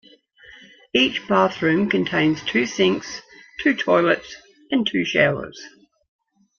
Each bathroom contains two sinks, two toilets, and two showers.